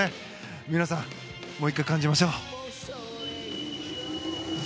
皆さん、もう１回感じましょう。